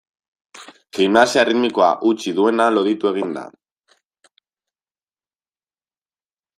Gimnasia erritmikoa utzi duena loditu egin da.